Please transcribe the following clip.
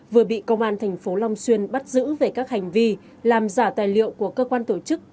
vừa bị công an tp long xuyên bắt giữ về các hành vi làm giả tài liệu của cơ quan tổ chức